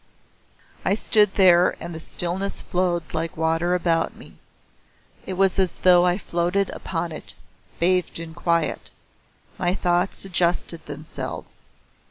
I stood there and the stillness flowed like water about me. It was as though I floated upon it bathed in quiet. My thoughts adjusted themselves.